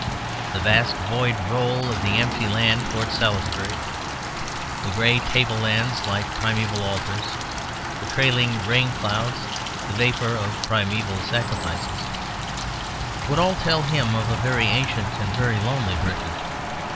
The vast void roll of the empty land towards Salisbury, the gray tablelands like primeval altars, the trailing rain clouds, the vapour of primeval sacrifices, would all tell him of a very ancient and very lonely Britain.